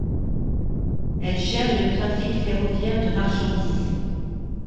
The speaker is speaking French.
Elle gère le trafic ferroviaire de marchandises.